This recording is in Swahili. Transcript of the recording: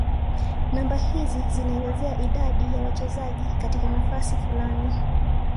namba hizi zinaelezea idadi ya wachezaji katika nafasi fulani